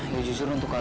ya justru untuk kalian